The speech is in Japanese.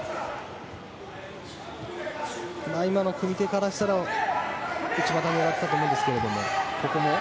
今の組み手からしたら内股を狙っていたと思うんですが。